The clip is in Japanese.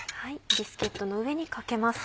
ビスケットの上にかけます。